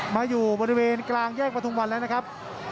มาอยู่บริเวณกลางแยกประทุมวันแล้วนะครับ